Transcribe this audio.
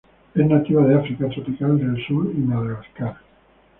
Es nativa de África tropical del sur y Madagascar.